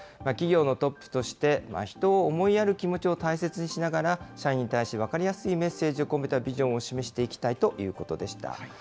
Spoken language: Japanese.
企業のトップとして、人を思いやる気持ちを大切にしながら、社員に対し、分かりやすいメッセージを込めたビジョンを示していきたいということでした。